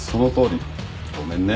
ごめんね。